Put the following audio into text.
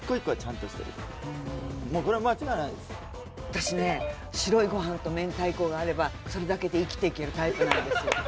私ね白いご飯とめんたいこがあればそれだけで生きていけるタイプなんですよ。